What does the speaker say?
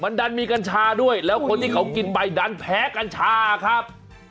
มันดันมีกัญชาด้วยแล้วคนที่เขากินไปดันแพ้กัญชาครับ